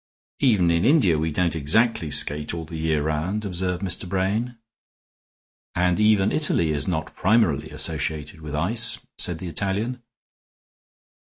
"Even in India we don't exactly skate all the year round," observed Mr. Brain. "And even Italy is not primarily associated with ice," said the Italian.